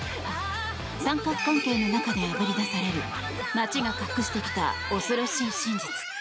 三角関係の中であぶり出される街が隠してきた恐ろしい真実。